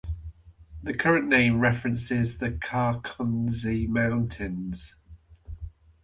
The current name references the Karkonosze Mountains.